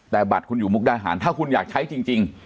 แต่บัตรคุณอยู่มุกดาหารถ้าคุณอยากใช้จริง